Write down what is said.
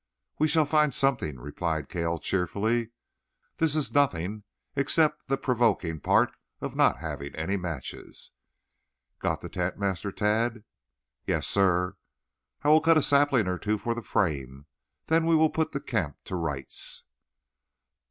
"We shall find something," replied Cale cheerfully. "This is nothing, except the provoking part of not having any matches. Got the tent, Master Tad?" "Yes, sir." "I will cut a sapling or two for the frame; then we will put the camp to rights."